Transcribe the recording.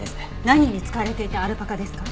何に使われていたアルパカですか？